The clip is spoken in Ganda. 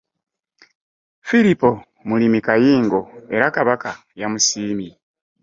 Firipo mulimi kayingo era Kabaka yamusiimye.